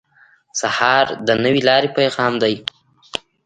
سهار د نوې لارې پیغام دی.